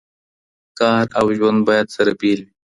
کار او ژوند باید سره بیل وي.